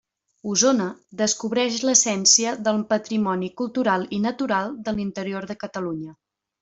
Osona, descobreix l'essència del patrimoni cultural i natural de l'interior de Catalunya.